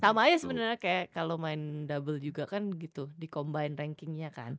sama aja sebenarnya kayak kalau main double juga kan gitu di combine rankingnya kan